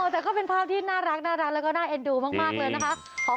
แต่ก็เป็นภาพที่น่ารักแล้วก็น่าเอ็นดูมากเลยนะคะ